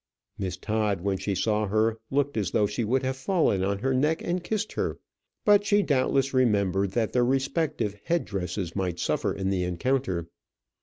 Miss Todd, when she saw her, looked as though she would have fallen on her neck and kissed her; but she doubtless remembered that their respective head dresses might suffer in the encounter.